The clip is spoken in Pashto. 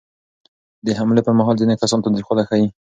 د حملې پر مهال ځینې کسان تاوتریخوالی ښيي.